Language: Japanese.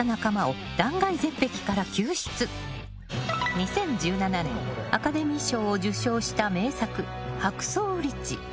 ２０１７年アカデミー賞を受賞した名作「ハクソー・リッジ」。